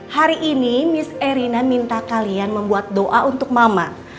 hari ini mis erina minta kalian membuat doa untuk mama